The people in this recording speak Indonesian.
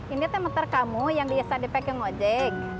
ini temeter kamu yang biasa dipake ngojek